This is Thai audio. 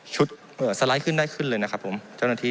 เอ่อสไลด์ขึ้นได้ขึ้นเลยนะครับผมเจ้าหน้าที่